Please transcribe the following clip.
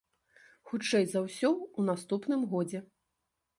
Хутчэй за ўсё, у наступным годзе.